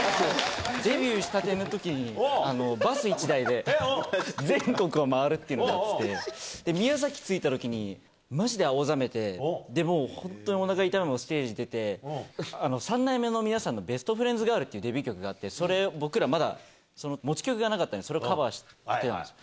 デビューしたてのときに、バス１台で全国を回るっていうのをやってて、宮崎着いたときに、マジで青ざめて、で、もう本当におなか痛いのにステージに出て、三代目の皆さんのベストフレンズガールっていうデビュー曲があって、それを、僕らまだ持ち曲がなかったんで、それをカバーしてたんですよ。